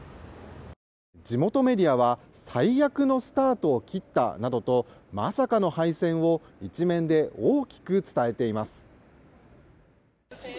地元メディアは最悪のスタートを切ったなどとまさかの敗戦を１面で大きく伝えています。